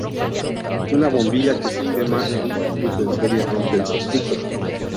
Una bombilla que se quema en un circuito en serie rompe el circuito.